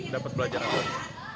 dapat belajar apa